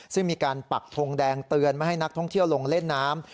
ซึ่งมีการปักทงแดงเตือนไม่ให้นักท่องเที่ยวลงเล่นน้ำ